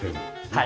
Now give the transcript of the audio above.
はい。